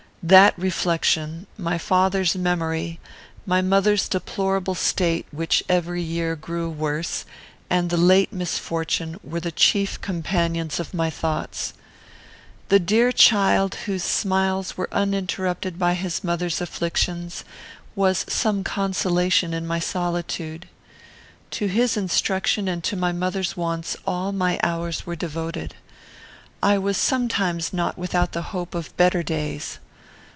That reflection, my father's memory, my mother's deplorable state, which every year grew worse, and the late misfortune, were the chief companions of my thoughts. "The dear child, whose smiles were uninterrupted by his mother's afflictions, was some consolation in my solitude. To his instruction and to my mother's wants all my hours were devoted. I was sometimes not without the hope of better days.